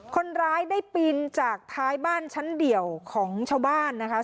คนร้ายได้ปีนจากท้ายบ้านชั้นเดียวของชาวบ้านนะคะ